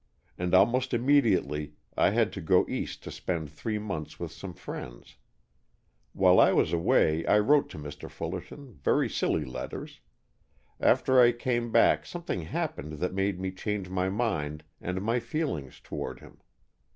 And almost immediately I had to go east to spend three months with some friends. While I was away I wrote to Mr. Fullerton, very silly letters. After I came back something happened that made me change my mind and my feelings towards him.